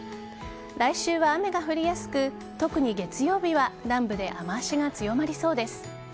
来週は雨が降りやすく特に月曜日は南部で雨脚が強まりそうです。